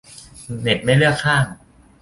เน็ตไม่เลือกข้าง